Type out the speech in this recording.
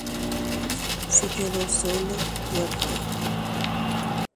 Ha'eño tyre'ỹ opyta.